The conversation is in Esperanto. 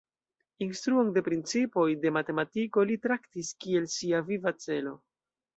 Instruon de principoj de matematiko li traktis kiel sia viva celo.